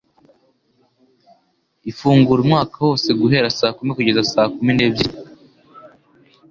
Ifungura umwaka wose guhera saa kumi kugeza saa kumi n'ebyiri.